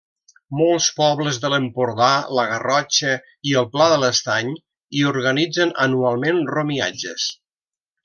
Molts pobles de l'Empordà, la Garrotxa i el Pla de l'Estany hi organitzen anualment romiatges.